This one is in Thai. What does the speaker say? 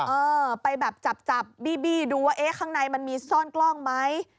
เออไปแบบจับบี้ดูว่าเอ๊ะข้างในมันมีซ่อนกล้องไหม